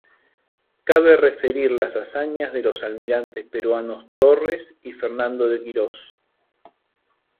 Cabe referir las hazañas de los almirantes peruanos Torres y Fernando de Quiroz.